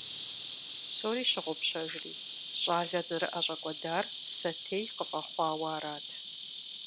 Псори щыгъупщэжри, щӏалэр зэрыӏэщӏэкӏуэдар сэтей къыфӏэхъуауэ арат.